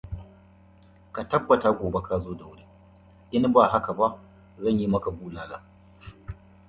When the yoke is pulled back the nose of the aircraft rises.